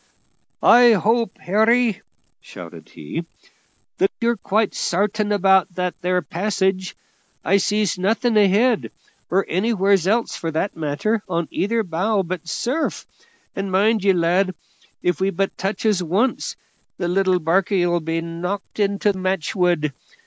"I hope, Harry," shouted he, "that you're quite sartain about that there passage. I sees nothing ahead, or anywheres else for that matter, on either bow but surf; and mind ye, lad, if we but touches once, the little barkie 'll be knocked into match wood.